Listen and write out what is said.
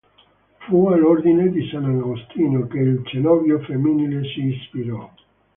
Fu all'Ordine di Sant'Agostino, che il cenobio femminile si ispirò.